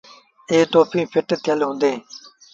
ائيٚݩ توڦيٚن ڦٽ ٿيٚل هُݩديٚݩ۔